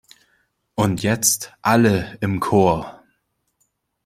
Und jetzt alle im Chor!